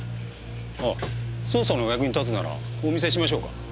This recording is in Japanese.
ああ捜査のお役に立つならお見せしましょうか。